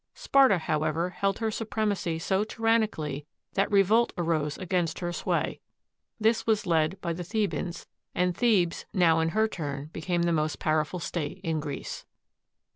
Sparta, however, held her supremacy so tyranni cally that revolt arose against her sway. This was led by the Thebans, and Thebes now in her turn became the most powerful state of Greece.